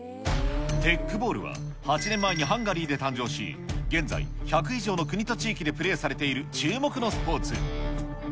テックボールは、８年前にハンガリーで誕生し、現在、１００以上の国と地域でプレーされている注目のスポーツ。